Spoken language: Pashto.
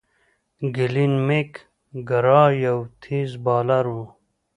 گلين میک ګرا یو تېز بالر وو.